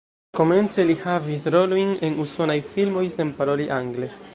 Komence li havis rolojn en usonaj filmoj sen paroli angle.